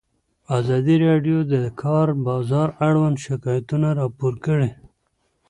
ازادي راډیو د د کار بازار اړوند شکایتونه راپور کړي.